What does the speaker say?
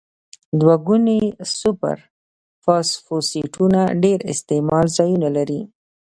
دوه ګونې سوپر فاسفیټونه ډیر استعمال ځایونه لري.